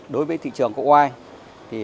đối với thị trường cô ai